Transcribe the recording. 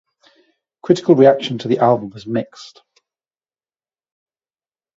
Critical reaction to the album was mixed.